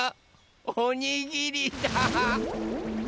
おにぎりだ！